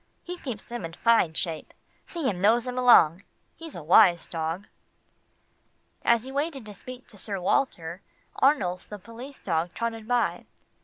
He keeps them in fine shape. See him nose them along. He's a wise dog." As he waited to speak to Sir Walter, Arnulf the police dog trotted by.